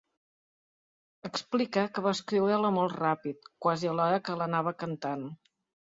Explica que va escriure-la molt ràpid quasi alhora que l'anava cantant.